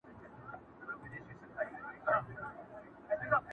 پر دېګدان باندي یې هیڅ نه وه بار کړي.